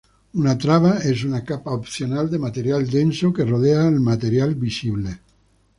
Una "traba" es una capa opcional de material denso que rodea al material fisible.